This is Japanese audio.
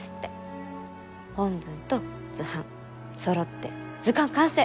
本文と図版そろって図鑑完成！